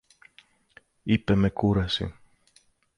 είπε με κούραση.